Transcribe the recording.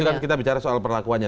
ini kan kita bicara soal perlakuannya